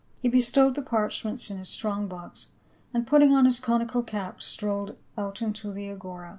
He bestowed the parchments in his strong box, and putting on his conical cap strolled out into the Agora.